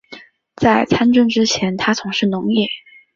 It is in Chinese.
在参政之前他从事农业。